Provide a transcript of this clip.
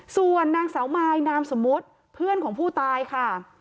ส่วนนางสาวมายนามสมมุติเพื่อนของผู้ตายค่ะ